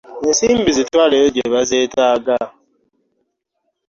Ensimbi zitwaleyo gye bazeetaaga.